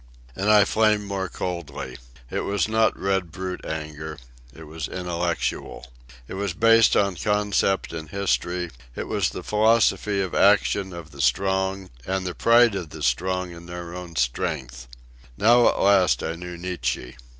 And I flamed more coldly. It was not red brute anger. It was intellectual. It was based on concept and history; it was the philosophy of action of the strong and the pride of the strong in their own strength. Now at last I knew Nietzsche.